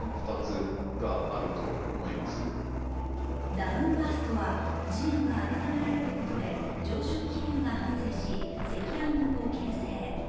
ダウンバーストは、地面が温められることで上昇気流が発生し、積乱雲を形成。